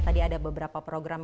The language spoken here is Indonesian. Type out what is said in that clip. tadi ada beberapa program